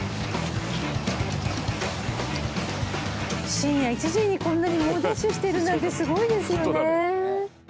深夜１時にこんなに猛ダッシュしてるなんてすごいですよね。